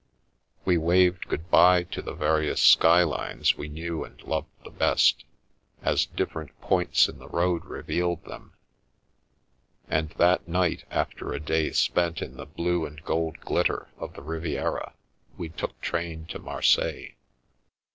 We waved good bye to the various sky lines we knew and loved the best, as different points in the road revealed them, and that night, after a day spent in the blue and gold glitter of the Riviera, we took train to Marseilles.